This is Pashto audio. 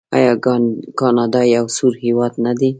آیا کاناډا یو سوړ هیواد نه دی؟